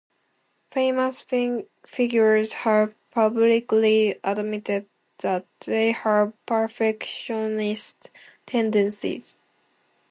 Famous figures have publicly admitted that they have perfectionist tendencies.